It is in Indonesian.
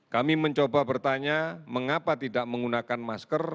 kami mencoba bertanya mengapa tidak menggunakan masker